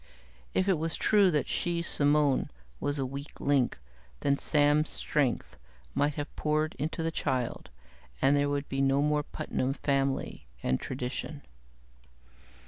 If it was true that she, Simone, was a weak link, then Sam's strength might have poured into the child, and there would be no more Putnam family and tradition.